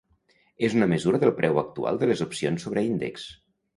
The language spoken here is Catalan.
És una mesura del preu actual de les opcions sobre índexs.